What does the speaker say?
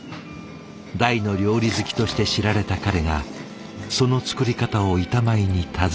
大の料理好きとして知られた彼がその作り方を板前に尋ねたほど。